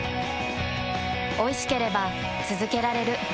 おいしければつづけられる。